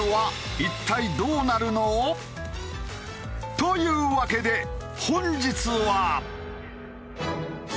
というわけで本日は。